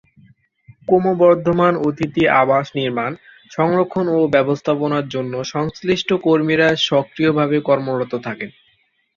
ক্রমবর্ধমান অতিথি-আবাস নির্মাণ, সংরক্ষণ ও ব্যবস্থাপনার জন্যে সংশ্লিষ্ট কর্মীরা সক্রিয়ভাবে কর্মরত থাকে।